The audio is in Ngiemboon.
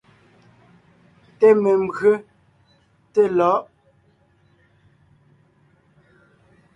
Té membÿe, té lɔ̌ʼ.